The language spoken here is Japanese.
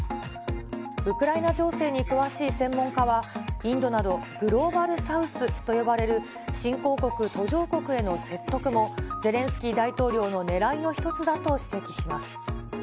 ウクライナ情勢に詳しい専門家は、インドなど、グローバルサウスと呼ばれる新興国、途上国への説得も、ゼレンスキー大統領のねらいの一つだと指摘します。